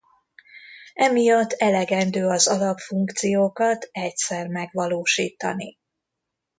Emiatt elegendő az alap funkciókat egyszer megvalósítani.